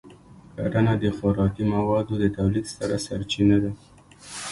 کرنه د خوراکي موادو د تولید ستره سرچینه ده.